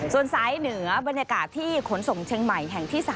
ส่วนสายเหนือบรรยากาศที่ขนส่งเชียงใหม่แห่งที่๓